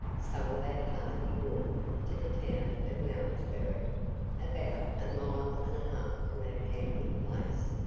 Some of our party walked to the town of Malmsbury, about a mile and a half from our camping place.